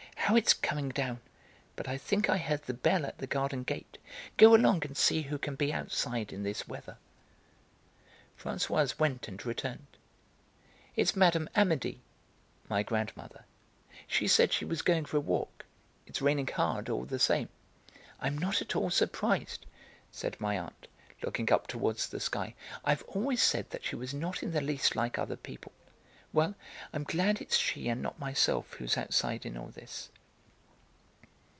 How it's coming down! But I think I heard the bell at the garden gate: go along and see who can be outside in this weather." Françoise went and returned. "It's Mme. Amédée" (my grandmother). "She said she was going for a walk. It's raining hard, all the same." "I'm not at all surprised," said my aunt, looking up towards the sky. "I've always said that she was not in the least like other people. Well, I'm glad it's she and not myself who's outside in all this."